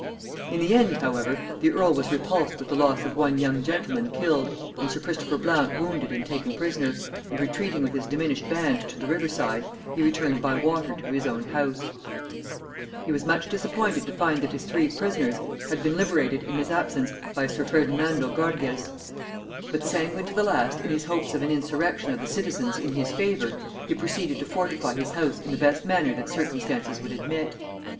In the end, however, the earl was repulsed with the loss of one young gentleman killed and sir Christopher Blount wounded and taken prisoner; and retreating with his diminished band to the river side, he returned by water to his own house. [Note 140: Birch's Memoirs.] He was much disappointed to find that his three prisoners had been liberated in his absence by sir Ferdinando Gorges: but sanguine to the last in his hopes of an insurrection of the citizens in his favor, he proceeded to fortify his house in the best manner that circumstances would admit.